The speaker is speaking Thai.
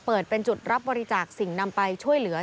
เปิดเป็นจุดรับบริจาคสิ่งนำไปช่วยเหลือ